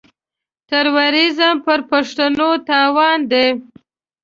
تروريزم پر پښتنو تاوان دی.